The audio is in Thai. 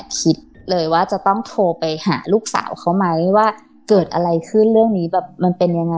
คิดเลยว่าจะต้องโทรไปหาลูกสาวเขาไหมว่าเกิดอะไรขึ้นเรื่องนี้แบบมันเป็นยังไง